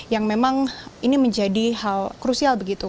yang memang ini menjadi hal krusial begitu